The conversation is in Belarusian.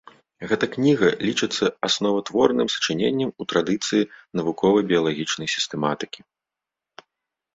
Гэта кніга лічыцца асноватворным сачыненнем у традыцыі навуковай біялагічнай сістэматыкі.